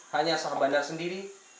hanya syah bandar sendiri